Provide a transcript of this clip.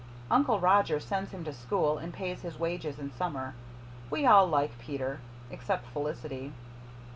Uncle Roger sends him to school, and pays him wages in summer. We all like Peter, except Felicity."